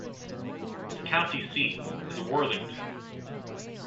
Its county seat is Worthington.